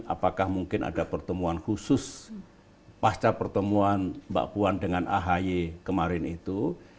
apakah mungkin ada pertemuan khusus pasca pertemuan mbak puan dengan ahy kemarin itu